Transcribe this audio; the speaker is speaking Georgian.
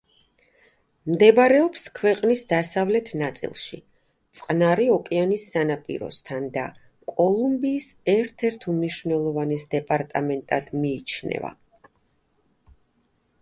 მდებარეობს ქვეყნის დასავლეთ ნაწილში, წყნარი ოკეანის სანაპიროსთან და კოლუმბიის ერთ-ერთ უმნიშვნელოვანეს დეპარტამენტად მიიჩნევა.